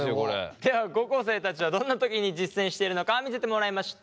では高校生たちはどんな時に実践しているのか見せてもらいました。